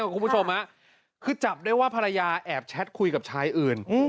คุณผู้ชมคือจับได้ว่าภรรยาแอบแชทคุยกับชายอื่น